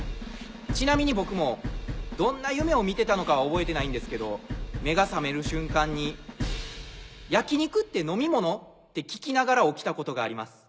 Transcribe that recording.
ちなみに僕もどんな夢を見てたのかは覚えてないんですけど目が覚める瞬間に「焼き肉って飲み物？」って聞きながら起きたことがあります。